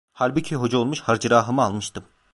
Halbuki hoca olmuş, harcırahımı almıştım.